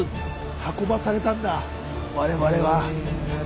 運ばされたんだ我々は。